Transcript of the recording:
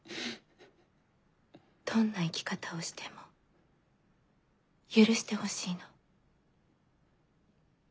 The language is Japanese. どんな生き方をしても許してほしいの。